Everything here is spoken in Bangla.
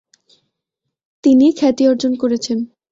তিনি খ্যাতি অর্জন করেছেন।